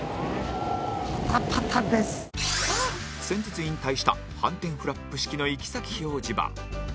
先日引退した反転フラップ式の行先表示板